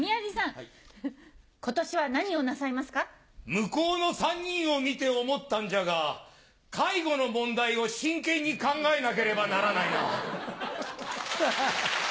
向こうの３人を見て思ったんじゃが介護の問題を真剣に考えなければならないな。